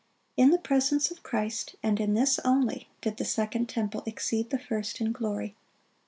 In the presence of Christ, and in this only, did the second temple exceed the first in glory.